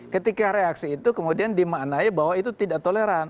ketika reaksi itu kemudian dimaknai bahwa itu tidak toleran